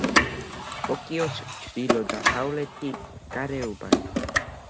ტოკიოს ჩრდილო-დასავლეთი გარეუბანი.